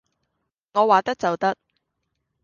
我話得就得